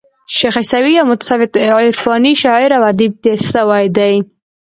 شېخ عیسي یو متصوف عرفاني شاعر او ادیب تیر سوى دئ.